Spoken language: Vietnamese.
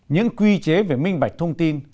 những quy chế về minh bạch thông tin